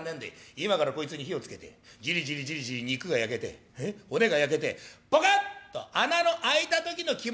今からこいつに火をつけてジリジリジリジリ肉が焼けて骨が焼けてポカッと穴の開いた時の気持ちのよさってのはねえんだ」。